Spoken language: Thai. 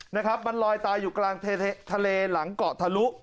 นะครับมันลอยตายอยู่กลางทะเลหลังเกาะทะลุ